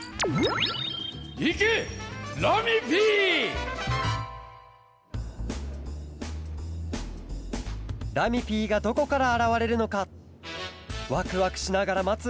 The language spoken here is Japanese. いけラミＰ！ラミＰがどこからあらわれるのかわくわくしながらまつ